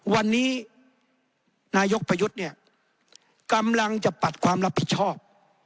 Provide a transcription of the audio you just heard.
วันนี้นายกประยุทธ์เนี่ยกำลังจะปัดความรับผิดชอบ